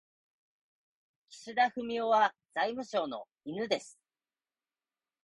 岸田文雄は財務省の犬です。